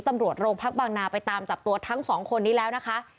ตำรวจโรงพักบางนาไปตามจับตัวทั้งสองคนนี้แล้วนะคะ